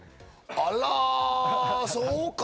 あら、そうか。